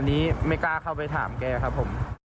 อันนี้ไม่กล้าเข้าไปถามแกครับผม